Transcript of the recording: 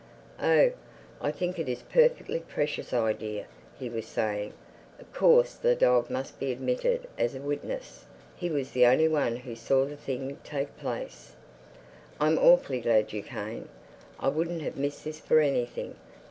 "Oh, I think it is a perfectly precious idea," he was saying. "Of course the dog must be admitted as a witness; he was the only one who saw the thing take place. I'm awfully glad you came. I wouldn't have missed this for anything.